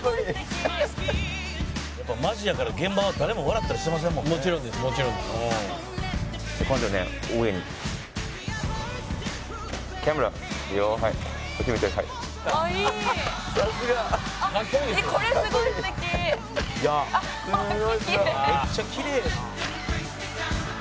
「めっちゃきれいやな」